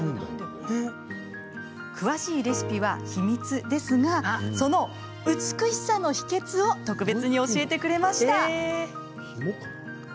詳しいレシピは秘密ですがその美しさの秘けつを特別に教えてくれました。